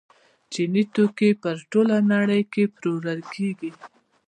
چیني توکي په ټوله نړۍ کې پلورل کیږي.